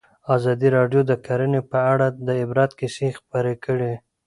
ازادي راډیو د کرهنه په اړه د عبرت کیسې خبر کړي.